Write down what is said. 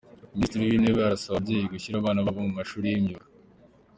Minisitiri w’Intebe arasaba ababyeyi gushyira abana babo mu mashuri y’imyuga